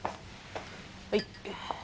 はい。